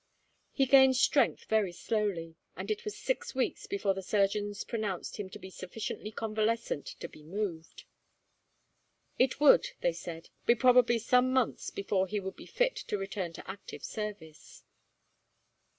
He gained strength very slowly, and it was six weeks before the surgeons pronounced him to be sufficiently convalescent to be moved. "It would," they said, "be probably some months before he would be fit to return to active service."